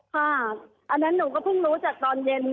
ค่ะอันนั้นผมก็พึ่งรู้จากตอนเย็น